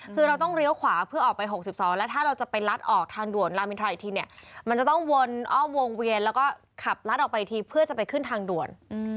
คือเราต้องเลี้ยวขวาเพื่อออกไป๖๒แล้วถ้าเราจะไปลัดออกทางด่วนลามินทราอีกทีเนี่ยมันจะต้องวนอ้อมวงเวียนแล้วก็ขับลัดออกไปทีเพื่อจะไปขึ้นทางด่วน